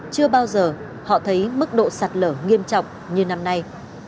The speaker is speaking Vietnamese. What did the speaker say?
chưa bao giờ họ thấy mức độ sạt lở nghiêm trọng như năm nay